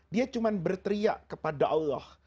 dia cuma berteriak kepada allah